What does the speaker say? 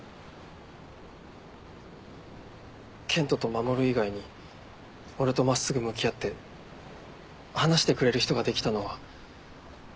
健人と守以外に俺と真っすぐ向き合って話してくれる人ができたのは。